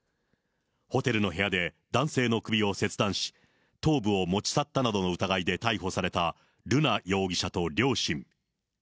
ホテルの部屋で男性の首を切断し、頭部を持ち去ったなどの疑いで逮捕された瑠奈容疑者と両親。